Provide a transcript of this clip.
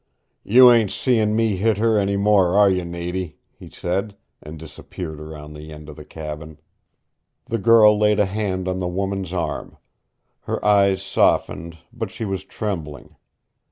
"You ain't seein' me hit her any more, are you, Nady?" he said, and disappeared around the end of the cabin. The girl laid a hand on the woman's arm. Her eyes softened, but she was trembling.